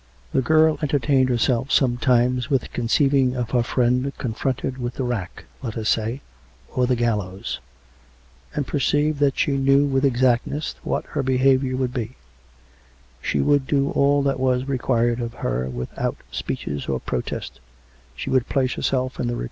The girl enter tained herself sometimes with conceiving of her friend con fronted with the rack, let us say, or the gallows; and per ceived that she knew with exactness what her behaviour would be: She would do all that was required of her with out speeches or protest; she would place herself in the re 206 COME RACK! COME ROPE!